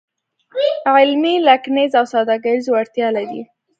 علمي، لیکنیز او سوداګریز وړتیا لري.